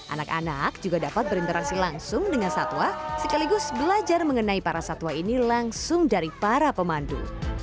anak anak juga dapat berinteraksi langsung dengan satwa sekaligus belajar mengenai para satwa ini langsung dari para pemandu